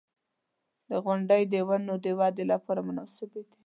• غونډۍ د ونو د ودې لپاره مناسبې دي.